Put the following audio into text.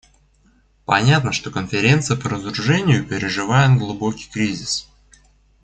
Понятно, что Конференция по разоружению переживает глубокий кризис.